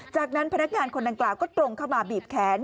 จากนั้นพนักงานคนดังกล่าวก็ตรงเข้ามาบีบแขน